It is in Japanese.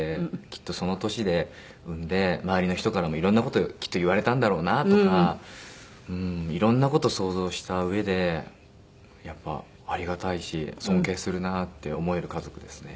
きっとその年で産んで周りの人からもいろんな事きっと言われたんだろうなとかいろんな事想像したうえでやっぱありがたいし尊敬するなって思える家族ですね。